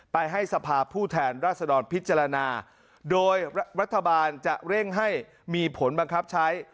ให้สภาพผู้แทนราชดรพิจารณาโดยรัฐบาลจะเร่งให้มีผลบังคับใช้